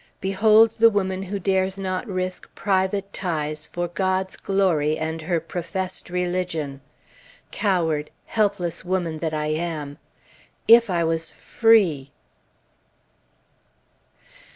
Behold the woman who dares not risk private ties for God's glory and her professed religion! Coward, helpless woman that I am! If I was free